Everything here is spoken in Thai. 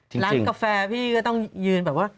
ร้านกาแฟพี่ก็ต้องยืนแบบว่า